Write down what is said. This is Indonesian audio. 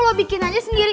lo bikin aja sendiri